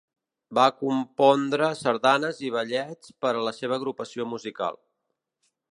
Va compondre sardanes i ballets per a la seva agrupació musical.